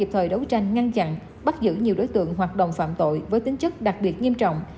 kịp thời đấu tranh ngăn chặn bắt giữ nhiều đối tượng hoạt động phạm tội với tính chất đặc biệt nghiêm trọng